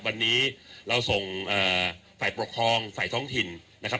วันนี้เราส่งฝ่ายปกครองฝ่ายท้องถิ่นนะครับ